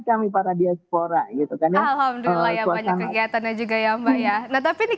kami para diaspora gitu kan ya alhamdulillah banyak kegiatannya juga ya mbak ya tapi ini